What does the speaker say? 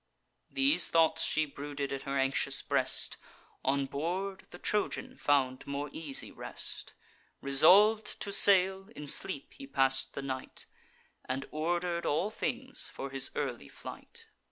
These thoughts she brooded in her anxious breast. On board, the Trojan found more easy rest. Resolv'd to sail, in sleep he pass'd the night; And order'd all things for his early flight.